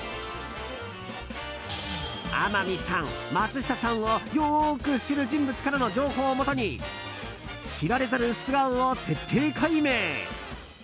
天海さん、松下さんをよく知る人物からの情報をもとに知られざる素顔を徹底解明！